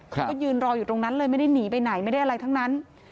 ก็ยืนรออยู่ตรงนั้นเลยไม่ได้หนีไปไหนไม่ได้อะไรทั้งนั้น